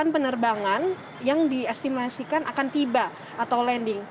delapan penerbangan yang diestimasikan akan tiba atau landing